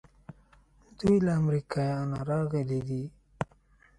دوی له امریکا نه راغلي دي.